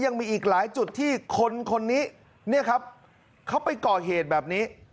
ยังมีอีกหลายจุดที่คนนี้เขาไปก่อเหตุแบบนี้